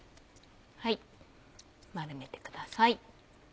丸めてください。